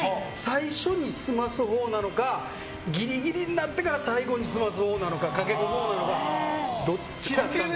最初に済ますほうなのかギリギリになってから最後に駆け込むほうなのかどっちだったんですか？